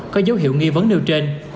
có dấu hiệu nghi vấn nêu trên